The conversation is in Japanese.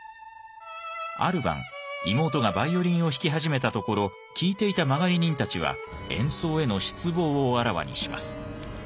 ある晩妹がバイオリンを弾き始めたところ聴いていた間借人たちは演奏への失望をあらわにします。